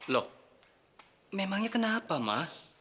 loh memangnya kenapa ma